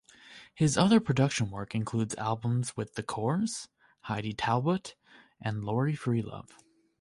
His other production work includes albums with The Corrs, Heidi Talbot, and Laurie Freelove.